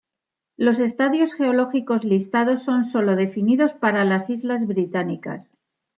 Los estadios geológicos listados son solo definidos para las islas Británicas.